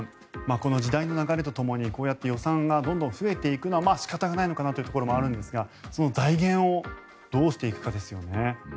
この時代の流れとともにこうやって予算がどんどん増えているのは仕方がないのかなというところもありますがその財源をどうしていくかですよね。